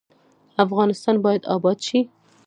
افغانستان باید اباد شي